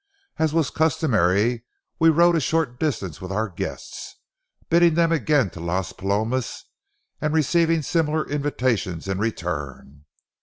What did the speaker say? As was customary, we rode a short distance with our guests, bidding them again to Las Palomas and receiving similar invitations in return.